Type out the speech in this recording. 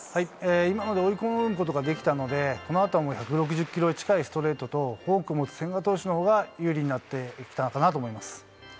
今ので追い込むことができたので、このあとはもう１６０キロ近いストレートとフォークを持つ千賀投手のほうが有利になってきたのかなと思います。